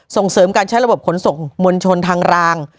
ส่งเสริมการใช้ระบบขนส่งมวลชนทางราง